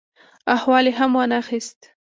احوال یې هم وا نه خیست.